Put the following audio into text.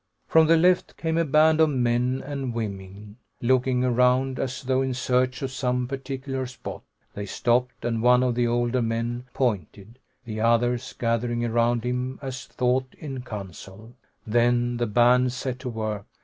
From the left came a band of men and women, looking around as though in search of some particular spot. They stopped, and one of the older men pointed, the others gathering around him as though in council. Then the band set to work.